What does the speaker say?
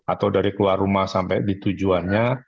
atau dari keluar rumah sampai di tujuannya